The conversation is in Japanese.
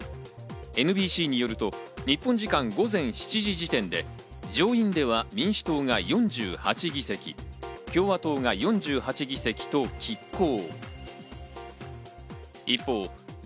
ＮＢＣによると日本時間午前７時時点で上院では民主党が４８議席、共和党が４８議席と拮抗。